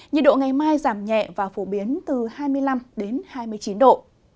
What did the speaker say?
nhiệt độ ngày mai giảm nhẹ và phổ biến từ hai mươi năm hai mươi chín độ